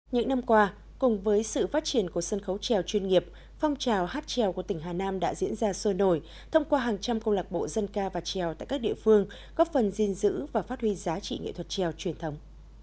những năm qua cùng với sự phát triển của sân khấu trèo chuyên nghiệp phong trào hát trèo của tỉnh hà nam đã diễn ra sôi nổi thông qua hàng trăm công lạc bộ dân ca và trèo tại các địa phương góp phần gìn giữ và phát huy giá trị nghệ thuật trèo truyền thống